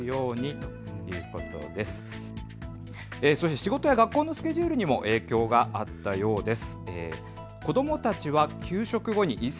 仕事や学校のスケジュールにも影響があったようです。